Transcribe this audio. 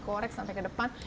semua dikorek sampai ke depan